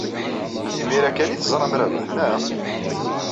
Imir-a kan ay teẓram Rabaḥ, naɣ?